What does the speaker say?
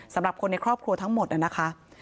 สำหรับคนในครอบครัวทั้งหมดนะคะ